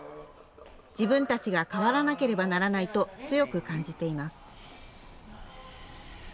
自分たちが変わらなければならないと強く感じています。